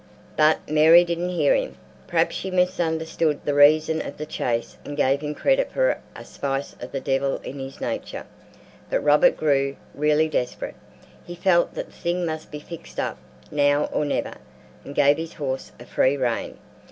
But Mary didn't hear him. Perhaps she misunderstood the reason of the chase and gave him credit for a spice of the devil in his nature. But Robert grew really desperate; he felt that the thing must be fixed up now or never, and gave his horse a free rein.